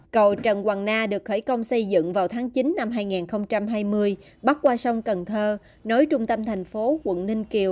cầu trần hoàng na được khởi công xây dựng vào tháng chín năm hai nghìn hai mươi bắc qua sông cần thơ nối trung tâm thành phố quận ninh kiều